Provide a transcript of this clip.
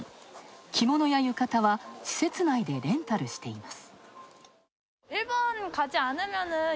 着物や浴衣は、施設内でレンタルしています。